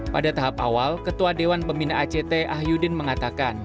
pada tahap awal ketua dewan pembina act ah yudin mengatakan